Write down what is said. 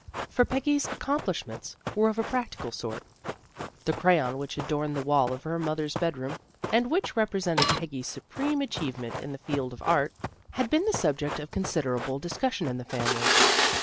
For Peggy's accomplishments were of a practical sort. The crayon which adorned the wall of her mother's bed room, and which represented Peggy's supreme achievement in the field of art, had been the subject of considerable dis cussion in the family.